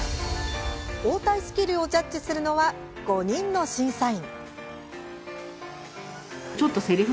応対スキルをジャッジするのは５人の審査員。